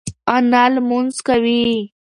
انا لمونځ کوي.